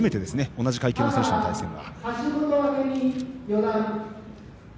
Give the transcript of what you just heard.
同じ階級の選手との対戦は。